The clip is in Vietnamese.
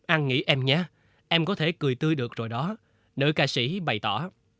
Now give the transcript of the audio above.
ăn nghỉ em nhé em có thể cười tươi được rồi đó nữ ca sĩ bày tỏ